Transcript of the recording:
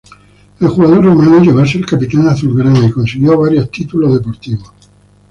El jugador rumano llegó a ser capitán azulgrana y consiguió varios títulos deportivos.